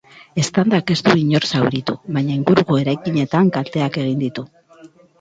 Eztandak ez du inor zauritu, baina inguruko eraikinetan kalteak egin ditu.